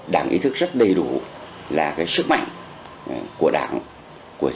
đảng ý thức rất đầy đủ là sức mạnh của đảng của dân tộc